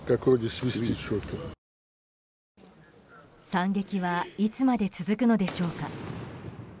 惨劇はいつまで続くのでしょうか。